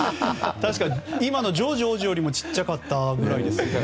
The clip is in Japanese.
今のジョージ王子よりも小さかったぐらいですよね。